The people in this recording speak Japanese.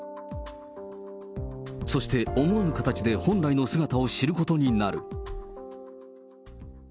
そして思わぬ形で本来の姿を知ることになる。